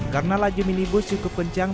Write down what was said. karena laju minibus cukup kencang